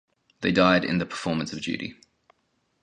They died in the performance of duty.